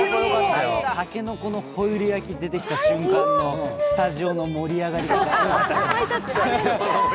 竹の子のホイル焼き出てきた瞬間のスタジオの盛り上がりがすごかった。